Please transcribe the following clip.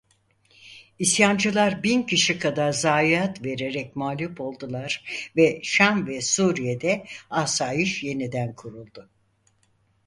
İsyancılar bin kişi kadar zayiat vererek mağlup oldular ve Şam ve Suriye'de asayiş yeniden kuruldu.